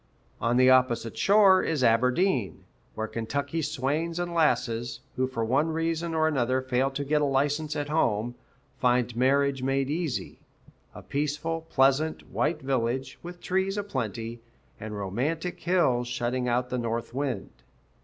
On the opposite shore is Aberdeen, where Kentucky swains and lasses, who for one reason or another fail to get a license at home, find marriage made easy a peaceful, pleasant, white village, with trees a plenty, and romantic hills shutting out the north wind.